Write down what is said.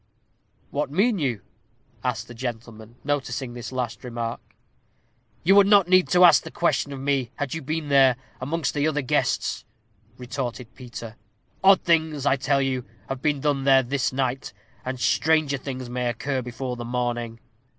"What mean you?" asked the gentleman, noticing this last remark. "You would not need to ask the question of me, had you been there, amongst the other guests," retorted Peter. "Odd things, I tell you, have been done there this night, and stranger things may occur before the morning."